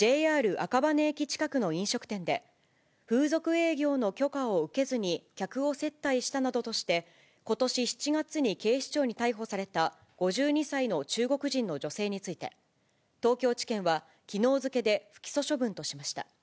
東京・北区にあるＪＲ赤羽駅近くの飲食店で、風俗営業の許可を受けずに、客を接待したなどとして、ことし７月に警視庁に逮捕された５２歳の中国人の女性について、東京地検はきのう付けで、不起訴処分としました。